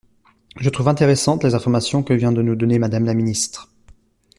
Je trouve intéressantes les informations que vient de nous donner Madame la ministre.